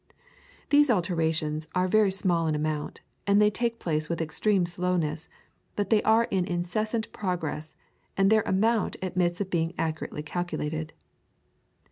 These alterations are very small in amount, and they take place with extreme slowness, but they are in incessant progress, and their amount admits of being accurately calculated.